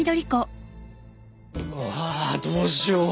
わどうしよう。